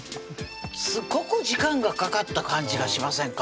すごく時間がかかった感じがしませんか？